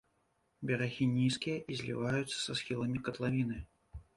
Берагі нізкія і зліваюцца са схіламі катлавіны.